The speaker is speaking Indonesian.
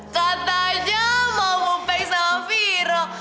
katanya mau mempeng sama viro